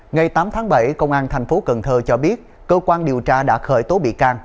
ngày tám tháng bảy công an thành phố cần thơ cho biết cơ quan điều tra đã khởi tố bị can